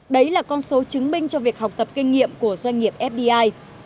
đấy là con số chứng minh cho việc học tập kinh nghiệm của doanh nghiệp fdi